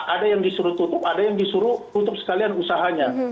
ada yang disuruh tutup ada yang disuruh tutup sekalian usahanya